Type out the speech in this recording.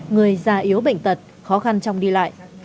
người già yếu bệnh tật khó khăn trong đi lại